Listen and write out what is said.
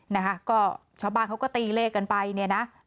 นะคะก็ชาวบ้านเขาก็ตีเลขกันไปเนี่ยนะ